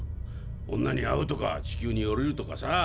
女に会うとか地球に降りるとかさぁ。